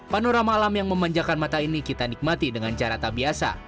panorama alam yang memanjakan mata ini kita nikmati dengan cara tak biasa